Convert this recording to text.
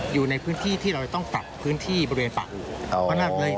อยู่ในพื้นที่ที่เราจะต้องปรับพื้นที่บริเวณปากเลย